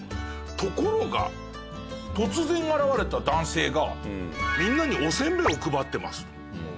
ところが突然現れた男性がみんなにおせんべいを配ってます。